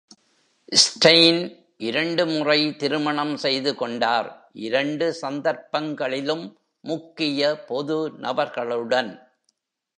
Steyn இரண்டு முறை திருமணம் செய்து கொண்டார், இரண்டு சந்தர்ப்பங்களிலும் முக்கிய பொது நபர்களுடன்.